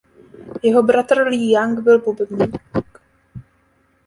Jeho bratr Lee Young byl bubeník.